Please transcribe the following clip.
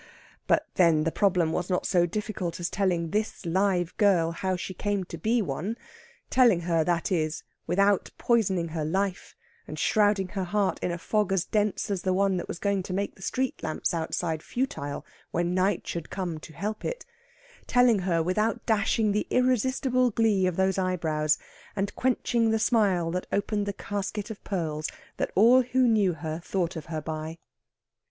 But then the problem was not so difficult as telling this live girl how she came to be one telling her, that is, without poisoning her life and shrouding her heart in a fog as dense as the one that was going to make the street lamps outside futile when night should come to help it telling her without dashing the irresistible glee of those eyebrows and quenching the smile that opened the casket of pearls that all who knew her thought of her by.